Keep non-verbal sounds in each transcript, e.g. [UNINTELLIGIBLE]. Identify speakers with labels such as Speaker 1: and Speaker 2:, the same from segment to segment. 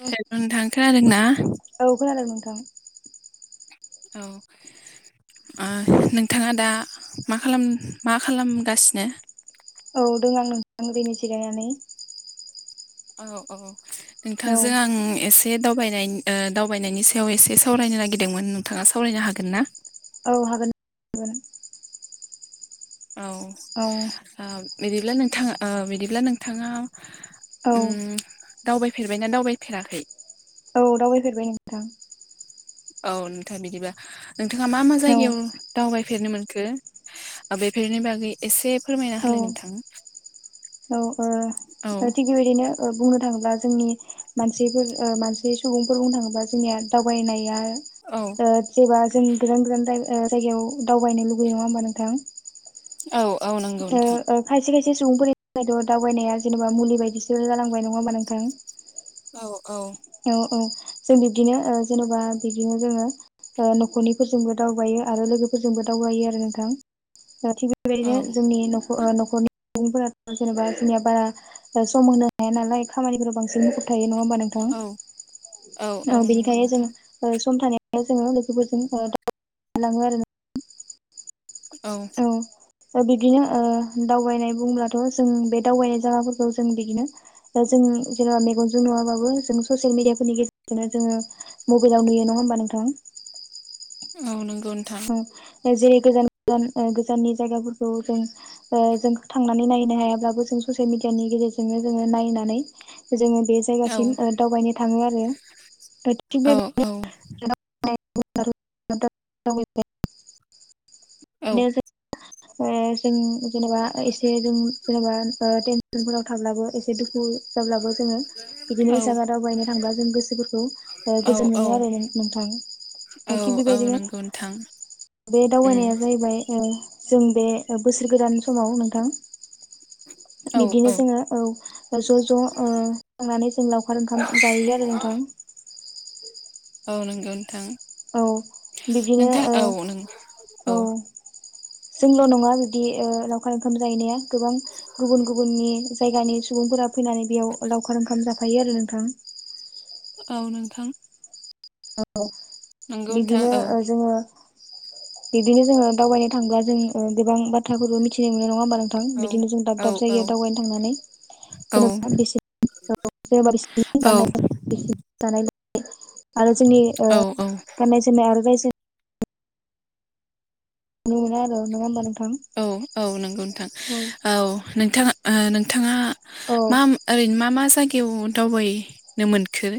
Speaker 1: औ
Speaker 2: हेल' नोंथां खोनादोंना?
Speaker 1: ओं
Speaker 2: औ। ओ नोंथाङा दा मा खालाम मा खालामगासिनो?
Speaker 1: औ दं आं नोंथां ओरैनो जिरायनानै।
Speaker 2: औ औ
Speaker 1: औ
Speaker 2: नोंथांजों आं एसे दावबायनाय दावबायनायनि सायाव एसे सावरायनो नागिरदोंमोन नोंथाङा सावरायनो हागोन ना?
Speaker 1: औ हागोन हागोन। औ
Speaker 2: औ बिदिब्ला नोंथाङा बिदिब्ला नोंथाङा
Speaker 1: औ।
Speaker 2: उम दावबायफेरबायना दावबायफेराखै?
Speaker 1: औ दावबायफेरबाय नोंथां।
Speaker 2: औ नोंथां बिदिबा नोंथाङा मा मा
Speaker 1: औ
Speaker 2: जायगायाव दावबायफेरनो मोन खो बेफोरनि बागै एसे फोरमायना होलाय
Speaker 1: औ
Speaker 2: नोंथां।
Speaker 1: औ ओ
Speaker 2: औ
Speaker 1: थिग बेबायदिनो ओ बुंनो थाङोब्ला जोंनि मानसिफोर ओ मानसि सुबुंफोर बुंनो थाङोब्ला जोंनिया दावबायनाया
Speaker 2: औ
Speaker 1: ओ जेब्ला जों गोजान गोजान जायगा ओ जायगायाव दावबायनो लुबैयो नङा होमबा नोंथां?
Speaker 2: औ औ नंगौ नोंथां।
Speaker 1: सासे सुबुंफोरनिथ' दावबायनाया जेनेबा मुलि बायदिसो जालांबाय नङा होनबा नोंथां?
Speaker 2: औ औ।
Speaker 1: औ जों बिब्दिनो जेन'बा बिदिनो जोङो न'खरनिफोरजोंबो दावबायो आरो लोगोफोरजोंबो दावबायो आरो नोंथां। दा थिग
Speaker 2: औ
Speaker 1: बेबायदिनो जोंनि नखर न'खरनि सुबुंफोराथ' जेनेबा जोंनिया बारा सम होनो हाया नालाय खामानिफोर बांसिन मुखुब थायो नङा होनबा नोंथां?
Speaker 2: औ औ औ
Speaker 1: ओ
Speaker 2: नंगौ
Speaker 1: बेनिखायनो जों
Speaker 2: नोंथां
Speaker 1: ओ सम थानायावनो जोङो लोगोफोरजों [UNINTELLIGIBLE] आरो नोंथां।
Speaker 2: औ।
Speaker 1: दा बिदिनो ओ दावबायनाय बुंब्लाथ' जों बे दावबायनाय जागाफोरखौ जों बिदिनो जों जोङो मेगनजों नुवाबाबो जों ससियेल मिडियाफोरनि गेजेरजोंनो जोङो मबाइलाव नुयो नङा होमबा नोंथां?
Speaker 2: औ नोंगौ नोंथां।
Speaker 1: जों जेरै गोजान गोजान गोजाननि जायगाफोरखौ जों ओ जों थांनानै नायनो हायाब्लाबो जों ससियेल मिडियानि गेजेरजोंनो जोङो नायनानै जोङो बे
Speaker 2: औ
Speaker 1: जायगासिम ओ दावबायनो थाङो आरो। दा थिग
Speaker 2: औ औ
Speaker 1: बेबायदिनो ओ दाब दाब [UNINTELLIGIBLE]
Speaker 2: औ
Speaker 1: ओ जों जेनेबा एसे जों जेनेबा ओ टेनसनफोराव थाब्लाबो एसे दुखु जाब्लाबो जोङो बिदिनो जायगा दावबायनो थांबा जों गोसोफोरखौ गोजोन
Speaker 2: औ औ
Speaker 1: मोनो आरो नो-नोंथां। ओ
Speaker 2: औ औ नंगौ नोंथां।
Speaker 1: बे
Speaker 2: उम
Speaker 1: दावबायनाया जाहैबाय ओ जों बे बोसोर गोदान समाव नोंथां
Speaker 2: औ
Speaker 1: बिदिनो
Speaker 2: औ
Speaker 1: जोङो औ ज' ज' ओ थांनानै जों लावखार ओंखाम जायो आरो नोंथां।
Speaker 2: औ नंगौ नोंथां।
Speaker 1: औ बिदिनो
Speaker 2: नोंथां
Speaker 1: ओ
Speaker 2: औ नों
Speaker 1: औ जोंल' नङा बिब्दि ओ लावखार ओंखाम जाहैनाया गोबां गुबुन गुबुननि जायगानि सुबुंफोरा फैनानै बेयाव लावखार ओंखाम जाफायो आरो नोंथां।
Speaker 2: औ नोंथां।
Speaker 1: औ
Speaker 2: नंगौ नोंथां
Speaker 1: बिदिनो
Speaker 2: औ
Speaker 1: ओ जोङो बिदिनो जोङो दावबायनो थांब्ला जों ओ गोबां बाथ्राफोरबो मिथिनो मोनो नङा होमबा नों थां
Speaker 2: औ
Speaker 1: बिदिनो जों
Speaker 2: औ
Speaker 1: दाब दाब
Speaker 2: औ
Speaker 1: जायगायाव दावबायनो थांनानै
Speaker 2: औ
Speaker 1: जेनेबा बिसोर जेनेबा बिसिनि गाननाय जोमनाय, जानाय लोंनाय आरो जोंनि ओ
Speaker 2: औ
Speaker 1: गाननाय जोमनाय आरो रायजो नुनो मोनो आरो नङा होमबा नोंथां
Speaker 2: औ औ नंगौ नोंथां, औ नोंथाङा ओ नोंथाङा
Speaker 1: औ
Speaker 2: मा ओरैनो मा मा जाय गायाव दावबायनो मोनखो?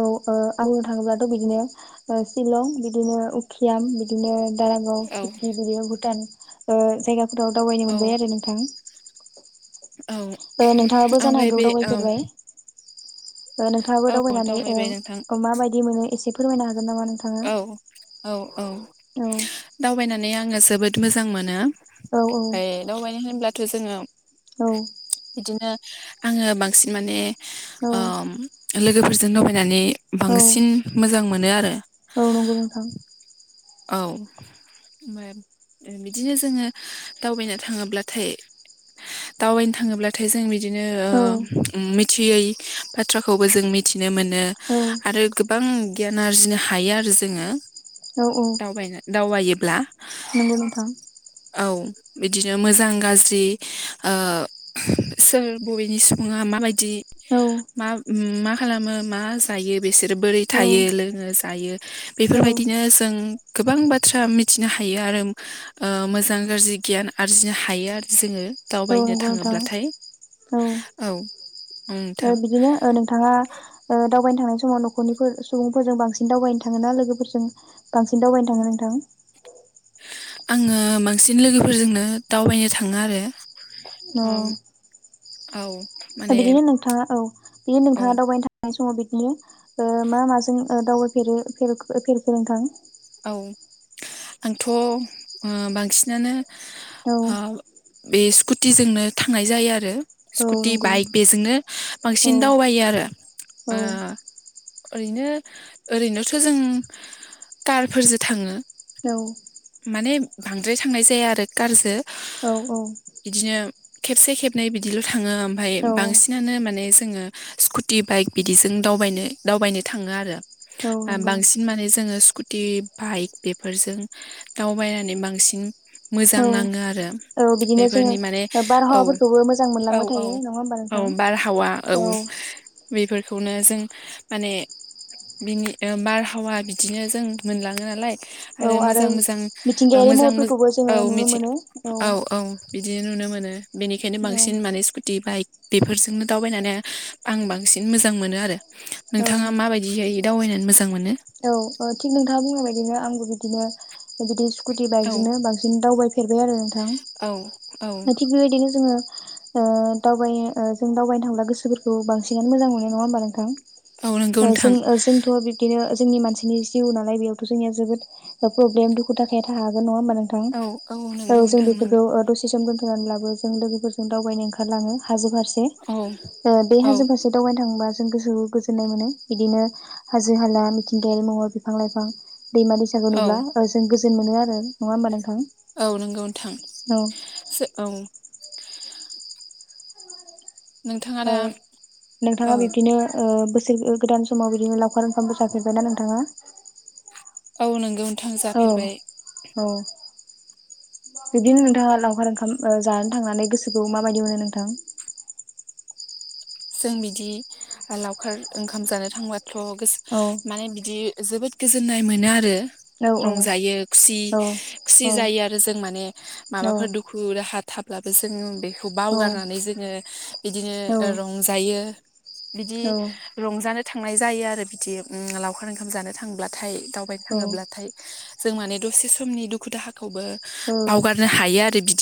Speaker 1: औ ओ आङो थाङोब्लाथ' बिदिनो ओ सिलं, बिदिनो उखियाम, बिदिनो दारागाव
Speaker 2: औ
Speaker 1: सुकि बिदिनो भुटान ओ जायगाफोराव दावबायनो
Speaker 2: औ
Speaker 1: मोनबाय आरो नोंथां
Speaker 2: औ
Speaker 1: ओ नोंथाङाबो जानो
Speaker 2: ओमफ्राय
Speaker 1: हागौ
Speaker 2: बे औ
Speaker 1: दावबायफेरबाय ओ नोंथाङाबो
Speaker 2: औ
Speaker 1: दावबायनानै
Speaker 2: दावबायबाय नोंथां
Speaker 1: ओ मााबायदि मोनो एसे फोरमायना हो
Speaker 2: औ औ औ
Speaker 1: औ
Speaker 2: दावबायना नानै आङो जोबोद मोजां मोनो
Speaker 1: औ
Speaker 2: ओमफ्राय दावबायनो होनब्लाथ' जोङो
Speaker 1: औ
Speaker 2: बिदिनो आङो बांसिन माने ओम लोगोफोरजों दबायनानै
Speaker 1: औ
Speaker 2: बांसिन मोजां मोनो आरो
Speaker 1: औ नंगौ नोंथां
Speaker 2: औ अमफाय अ बिदिनो जोङो दावबायनो थाङोब्लाथाय दावबायनो थाङोब्लाथाय जों बि बिदिनो ओ
Speaker 1: औ
Speaker 2: मिथियै बाथ्राखौबो जों मिथिनो मोनो
Speaker 1: औ
Speaker 2: आरो गोब गोबां गियान आरजिनो हायो आरो जोङो
Speaker 1: औ औ
Speaker 2: दावबायना दावबायोब्ला
Speaker 1: नंगौ नोंथां ।
Speaker 2: औ बिदिनो मोजां गाज्रि ओ सोर बबेनि सुबुङा माबायदि
Speaker 1: औ
Speaker 2: बिदि मा ओम मा खालामो मा जायो बिसोरो बोरै
Speaker 1: औ
Speaker 2: थायो लोङो जायो बेफोरबायदिनो जों गोबां बाथ्रा मिथिनो हायो आरो ओ मोजां गाज्रि गियान आरजिनो हायो आरो नोङो।
Speaker 1: औ
Speaker 2: दावबायनो
Speaker 1: नंगौ नोंथां
Speaker 2: थाङोब्लाथाय औ
Speaker 1: ओ
Speaker 2: नोंथां
Speaker 1: बिदिनो ओ नोंथाङा ओ दावबायनो थांनाय समाव नख नखरनिफोर सुबुंफोरजों बांसिन दावबायनो थाङोना लोगोफोरजों बांसिन दावबायनो थाङो नोंथां?
Speaker 2: आङो बांसिन लोगोफोरजोंनो दावबायनो थाङो आरो ओम
Speaker 1: औ
Speaker 2: औ माने
Speaker 1: बिदिनो नोंथाङा औ बिदिनो
Speaker 2: औ
Speaker 1: नोंथाङा दावबायनो थां समाव बिदिनो ओ मा मा जों ओ दावबायफेरो फेरखो नोंथां?
Speaker 2: औ आंथ' ओ बांसिनानो बे स्कुटिजोंनो थांनाय जायो आरो
Speaker 1: औ
Speaker 2: स्कुटि
Speaker 1: नंगौ।
Speaker 2: बाइक बेजोंनो
Speaker 1: औ
Speaker 2: बांसिन दावबायो आरो
Speaker 1: औ
Speaker 2: ओ ओरैनो ओरैनोथ' जों कारफोरजों थाङो माने बांद्राय थांनाय जाया आरो कारजों
Speaker 1: औ औ
Speaker 2: बिदिनो खेबसे खेबनै बिदिल' थाङो ओमफ्राय
Speaker 1: औ
Speaker 2: बांसिनानो माने जोङो स्कुटि बाइक बिदिजों दावबायनो दावबायनो थाङो आरो
Speaker 1: औ नंगौ
Speaker 2: बांसिन माने जोङो स्कु टि बाइक बेफोरजों दावबायनानै बांसिन मोजां
Speaker 1: औ
Speaker 2: नाङो आरो
Speaker 1: औ बिदिनो जोङो
Speaker 2: बेफोरनि माने औ
Speaker 1: बारहावाफोरखौबो मोजां
Speaker 2: औ
Speaker 1: मोनलांबाय
Speaker 2: औ
Speaker 1: थायो नङा होमबा
Speaker 2: औ
Speaker 1: नोंथां?
Speaker 2: बारहावा औ बेफोर बेखौनो जों माने बिनि बारहावा बिदिनो जों मोनलाङो नालाय आरो मोजां मोजां
Speaker 1: मिथिंगायारि
Speaker 2: मोजां
Speaker 1: महरफोरखौबो जोङो
Speaker 2: औ
Speaker 1: नुनो
Speaker 2: मिथि
Speaker 1: मोनो
Speaker 2: औ औ बि बिदि नुनो मोनो बेनिखायनो
Speaker 1: औ
Speaker 2: बांसिन माने स्कुटि बाइक बेफोरजोंनो दावबायनानै आं बांसिन मोजां मोनो आरो
Speaker 1: औ
Speaker 2: नोंथाङा माबायदि जायो दावबायनानै मोजां मोनो
Speaker 1: औ ओ थिग नोंथाङा बुंनाय बायदिनो आंबो बिदिनो बिदि स्कुटि
Speaker 2: औ
Speaker 1: बाइकजोंनो बांसिन दावबायफेरबाय आरो नोंथां
Speaker 2: औ औ
Speaker 1: थां थिग बेबायदिनो जोङो ओ दावबाय ओ जों दावबायनो थांब्ला गोसोफोरखौ बांसिनानो मोजां मोननाय नङा होमबा
Speaker 2: औ नंगौ
Speaker 1: नोंथां
Speaker 2: नोंथां
Speaker 1: जों जोंथ'आ बिबदिनो जोंनि मानसिनि जिउ नालाय बेयावथ' जोंनिया जोबोद प्रब्लेम दुखु दाहाया थाखागोन नङा होनबा नोंथां
Speaker 2: औ नंगौ
Speaker 1: औ जों
Speaker 2: नोंथां नंगौ
Speaker 1: बेफोरखौ दसे सम दोन्थ'नानै लाबो जों लोगोफोरजों दावबायनो ओंखारलाङो हाजो फारसे
Speaker 2: औ
Speaker 1: बे
Speaker 2: औ
Speaker 1: हाजो फारसे दावबायनो थाङोबा जों गोसोखौ गोजोन्नाय मोनो बिदिनो हाजो हाला मिथिंगायारि महर बिफां लाइफां दैमा - दैसाखौ
Speaker 2: औ
Speaker 1: नुब्ला जों गोजोन मोनो आरो नङा होमबा नोंथां
Speaker 2: औ नोंगौ नथां
Speaker 1: औ
Speaker 2: औ नोंथाङा दा
Speaker 1: नोंथाङा
Speaker 2: औ
Speaker 1: बिब्दिनो बोसोर गोदान समाव बिदिनो लावखार ओंखामबो जाफेरबायना नोंथाङा
Speaker 2: औ नोंगौ नोंथां
Speaker 1: औ
Speaker 2: जाफेरबाय
Speaker 1: औ बिबदिनो नोंथाङा लावखार ओंखाम जानानै थांनानै गोसोखौ माबायदि मोनो नोंथां
Speaker 2: [INAUDIBLE] जों बिदि लावखार ओंखाम जानो थांब्लाथ' गोसो
Speaker 1: औ
Speaker 2: माने बिदि जोबोद गोजोननाय मोनो आरो
Speaker 1: औ
Speaker 2: रंजायो खुसि-
Speaker 1: औ
Speaker 2: खुसि
Speaker 1: औ
Speaker 2: जायो आरो जों माने माबाफोर दुखु दाहा थाब ब्लाबो जों बेखौ बावगारनानै
Speaker 1: औ
Speaker 2: जोङो बिदिनो रंजायो बिदि
Speaker 1: औ
Speaker 2: रंजानो थांनाय जायो आरो बिदि लावखार ओंखाम जानो थांब्लाथाय दावबायनो थाङोब्लाथाय जों माने दसे समनि दुखु - दाहाखौबो
Speaker 1: औ
Speaker 2: बावगारनो हायो आरो बि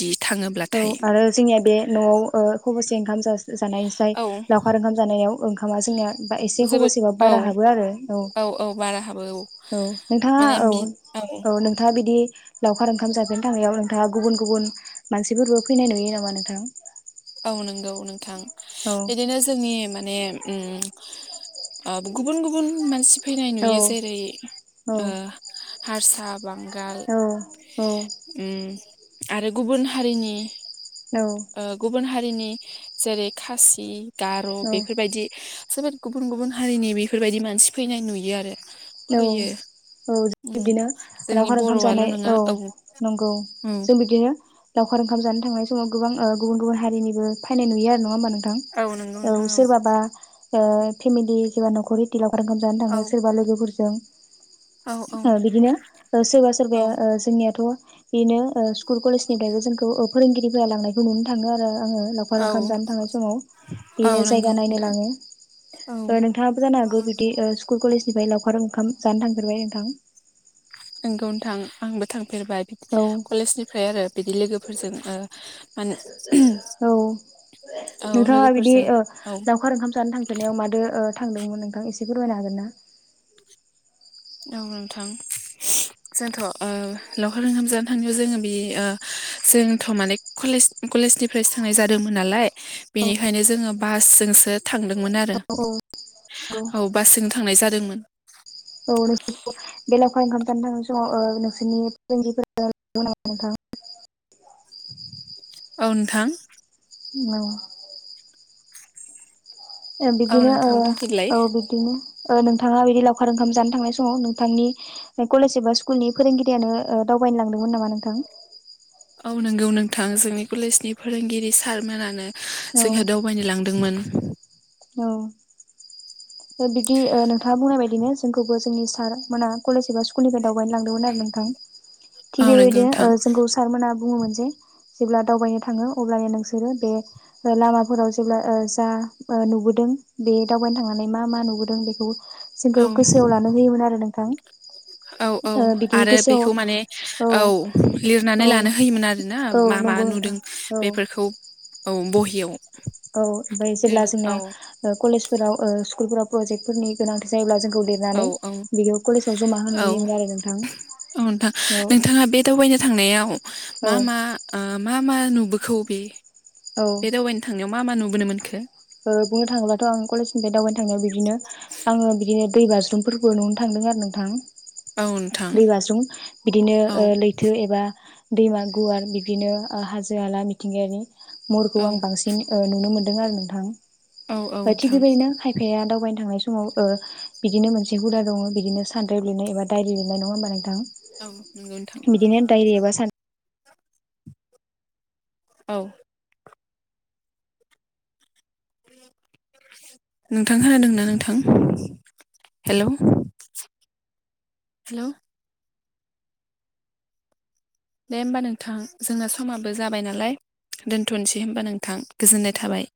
Speaker 1: औ आरो जोंनिया बे न'आव खबसे ओंखाम जासिग जानाय ज्राय
Speaker 2: औ
Speaker 1: लावखार ओंखाम जानायाव ओंखामा जोंनिया बा एसे
Speaker 2: जोबोद
Speaker 1: ख'बसेबा
Speaker 2: औ
Speaker 1: बारा हाबो आरो औ - औ नोंथाङा
Speaker 2: माने
Speaker 1: औ
Speaker 2: बि
Speaker 1: औ नोंथाङा बिदि लावखार ओंखाम जाफेरनो थांनायाव नोंथाङा गुबुन- गुबुन मानसिफोरबो फैनाय नुयो नामा नोंथां?
Speaker 2: नोंगौ नोंथां
Speaker 1: औ
Speaker 2: बिदिनो जोंनि माने उ आ गुबुन - गुबुन मानसिफ फैनाय
Speaker 1: औ
Speaker 2: नुयो जेरै
Speaker 1: औ
Speaker 2: ओ हारसाफ बांगाल
Speaker 1: औ
Speaker 2: उ आरो गुबुन हारिनि
Speaker 1: औ
Speaker 2: ओ गुबुन हारिनि जेरै खासि, गार'
Speaker 1: औ
Speaker 2: बेफोरबायदि चेबेद गुबुन गुबुन हारिनि बेफोरबायदि मानसि फैनाय नुयो आरो
Speaker 1: औ
Speaker 2: फैयो ।
Speaker 1: औ बिबिनो रावखार ओंखाम जानाय औ नंगौ
Speaker 2: औ
Speaker 1: जों बिगिनो लावखार ओंखाम जानो थांनाय समाव गोबां आ गुबुन गुबुन हारिनिबो फायनाय नुयो आरो नङा होमबा नों ओं
Speaker 2: औ नंगौ नोंथां
Speaker 1: औ सोरबाबा ओ फेमिलि जोया न'खर हिटिलावखार खाम जानो
Speaker 2: औ
Speaker 1: थाङो सोरबा लोगोफोरजों ।
Speaker 2: औ
Speaker 1: ओ
Speaker 2: औ
Speaker 1: बिदिनो सोरबा
Speaker 2: औ
Speaker 1: सोरबाया ओ जोंनियाथ' बेनो ओ स्कुल कलेजनिफ्रायबो जोंखौ फोरोंगिरिफोरा लांनायखौ नुनो थाङो आरो आङो लावखार ओंखाम
Speaker 2: औ
Speaker 1: जानो थांनाय समाव
Speaker 2: औ
Speaker 1: बेयो
Speaker 2: नंगौ
Speaker 1: जायगा नायनो
Speaker 2: नोंथां
Speaker 1: लाङो ।
Speaker 2: औ
Speaker 1: ओ नोंथाङाबो जानो हागौ बिदि ओ स्कुल कलेजनिफाय लावखार ओंखाम जानो थांफेरबाय नोंथां ।
Speaker 2: ओंगौ नोथां आंबो थां फेरबाय बि
Speaker 1: औ
Speaker 2: कलेजनिफ्राय आरो बिदि लोगोफोरजों ओ मान
Speaker 1: औ नोंथाङा बिदि ओ लावखार ओंखाम जानो थांफेरनायाव मादो ओ थांदोंमोन नोंथां एसे फोरमायनो हागोन ना?
Speaker 2: औ नोंथां जोंथ' ओ लावखार ओंखाम जानो थांनायाव जोङो बि ओ जोंथ' माने कलेज-कलेजनिफ्राय सोंनाय जादोंमोन नालाय बेनिखायनो जोङो बासजो ओसो थांदोंमोन आरो
Speaker 1: औ औ नंगौ
Speaker 2: औ बासजों थांनाय जादोंमोन ।
Speaker 1: [UNINTELLIGIBLE]
Speaker 2: औ नोथां ।
Speaker 1: औ । ओ
Speaker 2: औ
Speaker 1: बिदिनो ओ
Speaker 2: नोंथां बुंफिनलाय
Speaker 1: औ बिदिनो । ओ नोंथाङा बिदि लावखार ओंखाम जानो थांनाय समाव नोंथांनि कलेज एबा स्कुलनि फोरोंगिरियानो ओ दाव बायनो लांदोंमोन नामा नोंथां?
Speaker 2: औ नोंगौ नोंथां जोंनि कलेजनि फोरोंगिरि सारमोनानो जोंहा दावबायनो लांदोंमोन।
Speaker 1: औ ओ बिदि ओ नोंथाङा बुंनाय बाददिनो जोंखौबो जोंनि सार मोना कलेज एबा स्कुलनिफ्राय दावबायनो लांदोंमोन आरो नोंथां
Speaker 2: औ
Speaker 1: थिग
Speaker 2: नंगौ
Speaker 1: बेबायदिनो
Speaker 2: नोंथां
Speaker 1: ओ जोंखौ सारमोना बुङोमोन जे जेब्ला दावबायनो थाङो अब्लानो नोंसोरो बे लामाफोराव जेब्ला ओ जा ओ नुबोदो दों बे दावबायनो थांनानै मा मा नुबोदों बेखौ जोंखौ
Speaker 2: औ
Speaker 1: गोसोआव लानो होयोमोन आरो नोंथां।
Speaker 2: औ औ
Speaker 1: ओ बिदि
Speaker 2: आरो
Speaker 1: गोसोआव
Speaker 2: बेखौ माने औ
Speaker 1: औ
Speaker 2: लिरनानै लानो होयोमोन आरोना
Speaker 1: औ
Speaker 2: मा मा
Speaker 1: नंगौ नोंथां
Speaker 2: नुदों
Speaker 1: औ
Speaker 2: बेफोरखौ औ बहियाव
Speaker 1: औ ओमफाय जेब्ला
Speaker 2: लिरना औ
Speaker 1: जोंना कलेजफोराव ओ स्कुलफोराव प्रजेक्ट फोरनि गोनांथि जायोब्ला जों
Speaker 2: औ
Speaker 1: लेरनानै
Speaker 2: औ
Speaker 1: बिगौ कलेजाव जमा होनो होयोमोन आरो नोंथां।
Speaker 2: औ नोथां
Speaker 1: औ
Speaker 2: नोंथाङा बे दावबायनो थांनायाव
Speaker 1: औ
Speaker 2: मा मा ओ मा मा नुबोखौ बे
Speaker 1: औ
Speaker 2: बे दावबायनो थांनायाव मा मा नुबोनो मोनखो?
Speaker 1: ओ बुंनो थाङोब्लाथ' आं कलेजनिफ्राय दावबायनो थांनायाव बिदिनो आङो बिदिनोत दै बाज्रुमफोरबो नुनो थांदों आरो नोंथां
Speaker 2: औ नोंथां
Speaker 1: दैबाज्रुम बिदिनो
Speaker 2: औ
Speaker 1: ओ लैथो एबा दैमा गुवार बिदिनो हाजो हाला मिथिंगायारि
Speaker 2: औ
Speaker 1: महरखौ आं बांसिन ओ नुनो मोन दों आरो नोंथां
Speaker 2: औ औ
Speaker 1: बाय थिख
Speaker 2: नोंथां
Speaker 1: बेबायदिनो खायफाया दाव नो थांनाय समाव ओ बिदिनो मोनसे हुदा दङ बिदिनो सानद्राइब लिरनाय एबा दाइरि लिरनाय नङा होमबा नोंथां?
Speaker 2: औ नंगौ नोंथां
Speaker 1: बिदिनो दायरि एबा सान
Speaker 2: औ [INAUDIBLE] नोंथां खोनादोंना नोंथां हेलौ? हेलौ दे होमबा नोंथां जोंना समाबो जाबाय नालाय दोनथनोसै होमबा नोंथां गोजोननाय थाबाय।